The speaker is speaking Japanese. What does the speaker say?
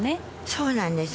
そうなんです。